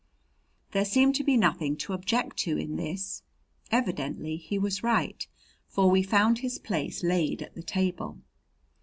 There seemed to be nothing to object to in this. Evidently he was right, for we found his place laid at the table.